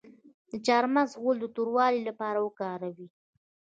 د چارمغز ګل د توروالي لپاره وکاروئ